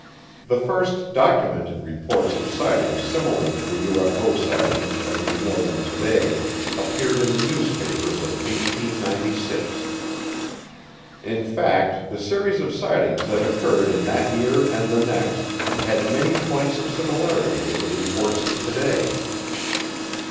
The first documented reports of sightings similar to the UFO sightings as we know them today appeared in the newspapers of 1896. In fact, the series of sightings that occurred in that year and the next had many points of similarity with the reports of today.